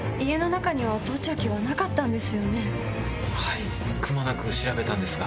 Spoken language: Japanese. はいくまなく調べたんですが。